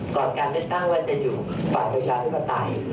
ก่อนการเลือกตั้งว่าจะอยู่กว่าประชาธิบดัติ